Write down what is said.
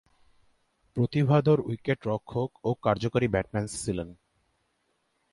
প্রতিভাধর উইকেট-রক্ষক ও কার্যকরী ব্যাটসম্যান ছিলেন।